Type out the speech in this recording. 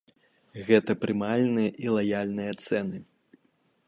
Гэта прымальныя і лаяльныя цэны.